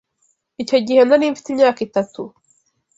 Icyo gihe nari mfite imyaka itatu.